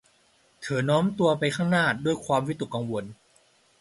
เธอโน้มตัวไปข้างหน้าด้วยความวิตกกังวล